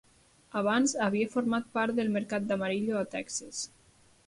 Abans havia format part del mercat d'Amarillo, a Texas.